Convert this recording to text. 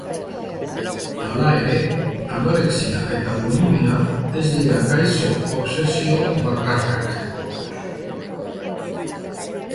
Halere, anorexia eta bulimia ez dira gaixo-obsesio bakarrak.